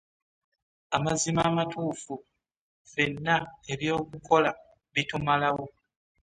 Amazima amatuufu ffenna eby'okukola bitumalawo.